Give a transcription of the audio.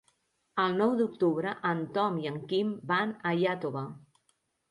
El nou d'octubre en Tom i en Quim van a Iàtova.